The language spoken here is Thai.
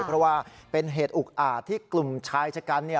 เพราะว่าเป็นเหตุอุกอาจที่กลุ่มชายชะกันเนี่ย